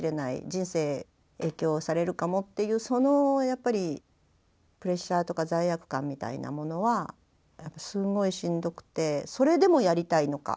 人生影響されるかもっていうそのプレッシャーとか罪悪感みたいなものはすんごいしんどくてそれでもやりたいのか